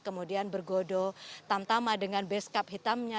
kemudian bergodo tamtama dengan beskap hitamnya